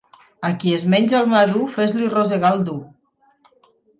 A qui es menja el madur, fes-li rosegar el dur.